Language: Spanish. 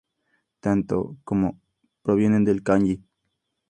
Tanto れ como レ provienen del kanji 礼.